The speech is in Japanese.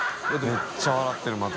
めっちゃ笑ってるまた。